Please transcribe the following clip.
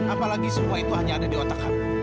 apalagi semua itu hanya ada di otak happ